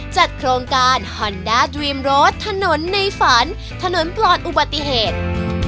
จัดโครงการฮอนดาดรีมรถถนนในฝันถนนปลอดอุบัติเหตุ